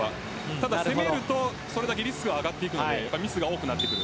ただ攻めるとそれだけリスクが上がるのでミスが多くなってくる。